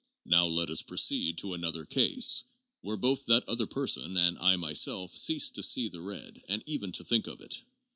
Now let us proceed to another case, where both that other person and I myself cease to see the red and even to think of it.